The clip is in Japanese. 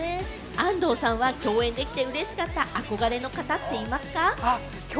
安藤さんは共演できて嬉しかった、憧れの方っていますか？